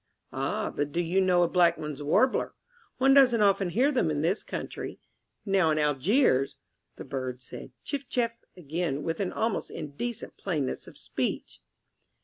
"Ah, but do you know a Blackman's Warbler? One doesn't often hear them in this country. Now in Algiers " The bird said "Chiff chaff" again with an almost indecent plainness of speech.